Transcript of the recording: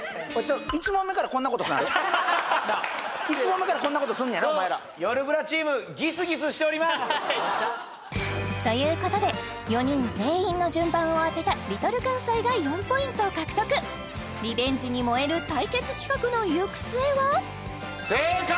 １問目からこんなことすんのやろお前らということで４人全員の順番を当てたＬｉｌかんさいが４ポイントを獲得リベンジに燃える対決企画の行く末は？